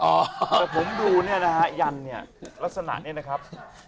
แต่ผมดูเนี่ยนะฮะยันเนี่ยลักษณะนี้นะครับ